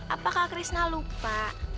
apakah krisna lupa